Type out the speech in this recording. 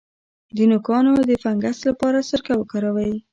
د نوکانو د فنګس لپاره سرکه وکاروئ